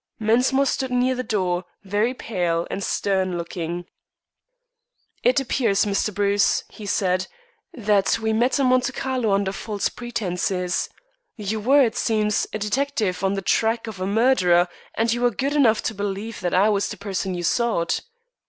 Mensmore stood near the door, very pale and stern looking. "It appears, Mr. Bruce," he said, "that we met in Monte Carlo under false pretences. You were, it seems, a detective on the track of a murderer, and you were good enough to believe that I was the person you sought.